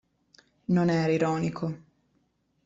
Non era ironico.